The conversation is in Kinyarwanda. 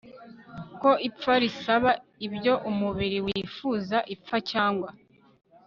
ko ipfa risaba ibyo umubiri wifuza Ipfa cyangwa